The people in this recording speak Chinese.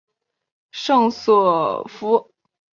圣索弗。